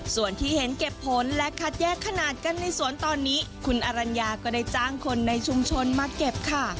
ส่วนที่เห็นเก็บผลและคัดแยกขนาดกันในสวนตอนนี้คุณอรัญญาก็ได้จ้างคนในชุมชนมาเก็บค่ะ